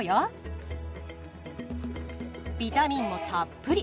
ビタミンもたっぷり。